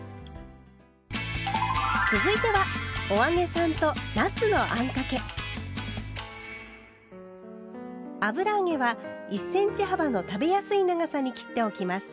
続いては油揚げは１センチ幅の食べやすい長さに切っておきます。